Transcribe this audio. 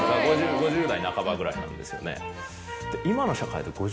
５０代半ばぐらいなんですよね。